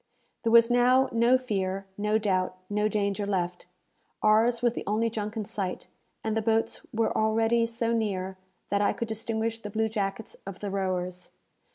There was now no fear, no doubt, no danger left! Ours was the only junk in sight, and the boats were already so near, that I could distinguish the blue jackets of the rowers.